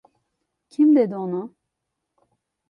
Kim dedi onu?